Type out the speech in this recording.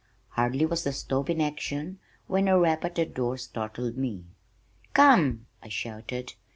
Hardly was the stove in action, when a rap at the door startled me. "Come," I shouted.